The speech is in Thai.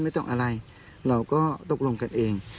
ไม่ต้องอะไรเราก็ตกลงกันเอง